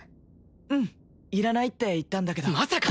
うんいらないって言ったんだけどまさか！